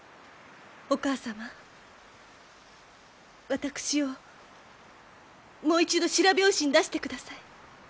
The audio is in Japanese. お母様私をもう一度白拍子に出してください。